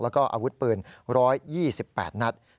แล้วก็อาวุธปืน๑๒๘นัด